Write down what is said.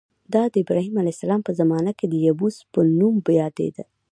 دا د ابراهیم علیه السلام په زمانه کې د یبوس په نوم یادېده.